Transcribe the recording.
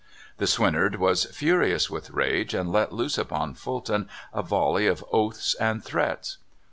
The swineherd was furious with rage, and let loose upon Fulton a vol ley of oaths and threats.